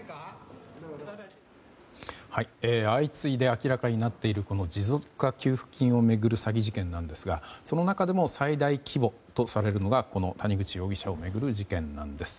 相次いで明らかになっている持続化給付金を巡る詐欺事件なんですがその中でも最大規模とされるのがこの谷口容疑者を巡る事件なんです。